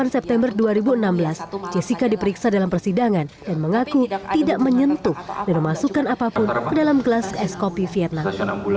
dua puluh september dua ribu enam belas jessica diperiksa dalam persidangan dan mengaku tidak menyentuh dan memasukkan apapun ke dalam gelas es kopi vietnam